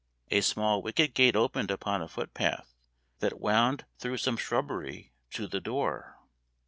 A small wicket gate opened upon a footpath that wound through some shrubbery to the door.